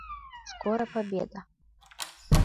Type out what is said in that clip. Скоро победа.